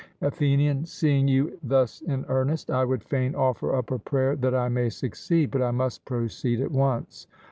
ATHENIAN: Seeing you thus in earnest, I would fain offer up a prayer that I may succeed: but I must proceed at once.